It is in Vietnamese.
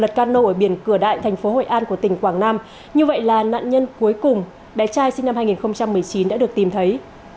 từ cửa đại thành phố hội an của tỉnh quảng nam như vậy là nạn nhân cuối cùng bé trai sinh năm hai nghìn một mươi chín đã được tìm thấy